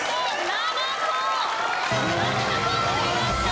７個載りました！